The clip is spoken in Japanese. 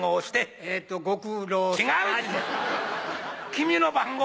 君の番号。